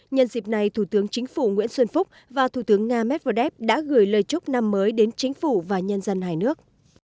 nhân dịp này thủ tướng chính phủ nguyễn xuân phúc và thủ tướng nga medvedev đã gửi lời chúc năm mới đến chính phủ và nhân dân hai nước